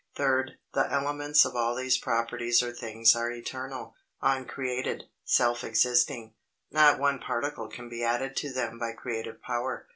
Third. The elements of all these properties or things are eternal, uncreated, self existing. Not one particle can be added to them by creative power.